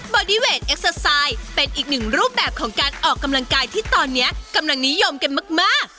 อดี้เวทเอ็กเซอร์ไซด์เป็นอีกหนึ่งรูปแบบของการออกกำลังกายที่ตอนนี้กำลังนิยมกันมาก